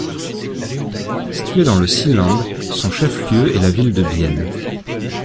Situé dans le Seeland, son chef-lieu est la ville de Bienne.